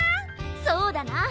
そうだな。